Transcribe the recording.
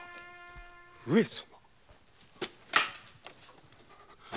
上様！？